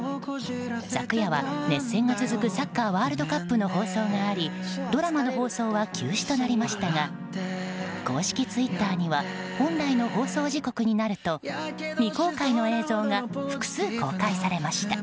昨夜は、熱戦が続くサッカーワールドカップの放送がありドラマの放送は休止となりましたが公式ツイッターには本来の放送時刻になると未公開の映像が複数公開されました。